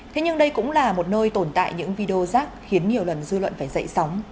thế nhưng đây cũng là một nơi tồn tại những video rác khiến nhiều lần dư luận phải dậy sóng